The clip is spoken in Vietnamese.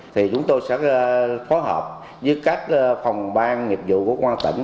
thì chúng tôi sẽ phối hợp với các phòng ban nghiệp vụ của công an tỉnh